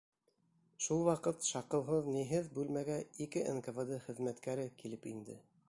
Шул ваҡыт шаҡыуһыҙ-ниһеҙ бүлмәгә ике НКВД хеҙмәткәре килеп инде.